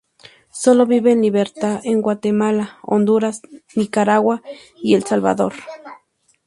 Sólo vive en libertad en Guatemala, Honduras, Nicaragua y El Salvador.